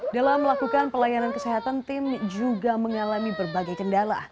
dalam melakukan pelayanan kesehatan tim juga mengalami berbagai kendala